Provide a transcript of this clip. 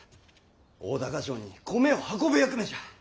大高城に米を運ぶ役目じゃ！